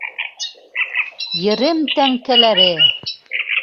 Ерем тәңкәләре!